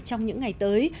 trong những ngày tới